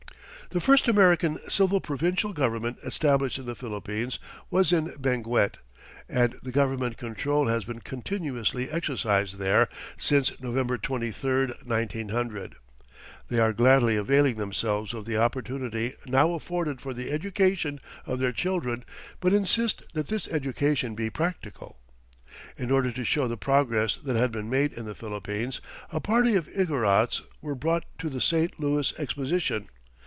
"The first American civil provincial government established in the Philippines was in Benguet, and governmental control has been continuously exercised there since November 23, 1900. They are gladly availing themselves of the opportunity now afforded for the education of their children, but insist that this education be practical." In order to show the progress that had been made in the Philippines, a party of Igorots were brought to the St. Louis Exposition.